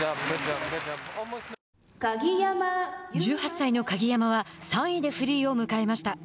１８歳の鍵山は３位でフリーを迎えました。